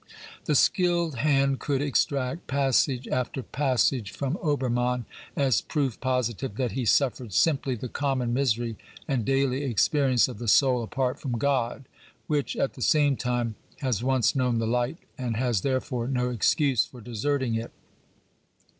The skilled hand could extract passage after passage from Ol)erma?in as proof positive that he suffered simply the common misery and daily experience of the soul apart from God, which at the same time has once known the light and has, therefore, no excuse for deserting it.